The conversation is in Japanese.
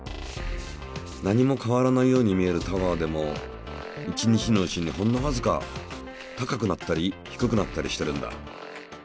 何も変わらないように見えるタワーでも一日のうちにほんのわずか高くなったり低くなったりしてるんだ。